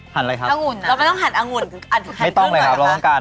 หั่นอะไรครับอังุ่นนะเราไม่ต้องหั่นอังุ่นหั่นเครื่องหน่อยค่ะไม่ต้องเลยครับเราต้องการ